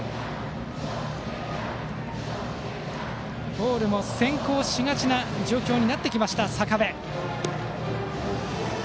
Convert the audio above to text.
ボールも先行しがちな状況になってきた坂部。